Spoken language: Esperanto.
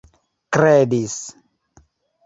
kredis